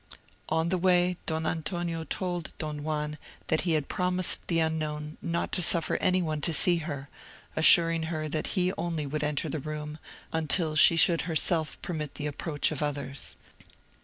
On the way, Don Antonio told Don Juan that he had promised the unknown not to suffer any one to see her; assuring her that he only would enter the room, until she should herself permit the approach of others.